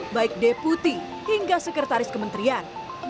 baik deputi hingga sekretaris kementerian